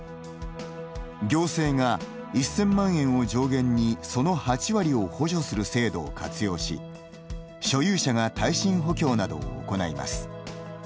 行政が１０００万円を上限にその８割を補助する制度を活用し所有者が耐震補強などを行います。